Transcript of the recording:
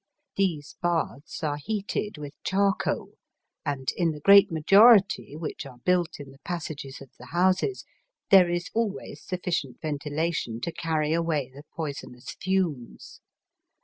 These baths are heated with charcoal, and in the great majority, which are built in the passages of the houses, there is always sufficient ventilation to carry away the poi sonous fames.